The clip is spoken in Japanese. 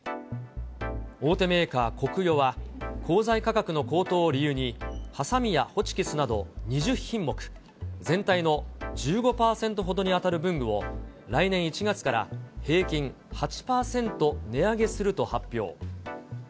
大手メーカー、コクヨは、鋼材価格の高騰を理由に、はさみやホチキスなど２０品目、全体の１５％ほどに当たる文具を、来年１月から平均８％値上げすると発表。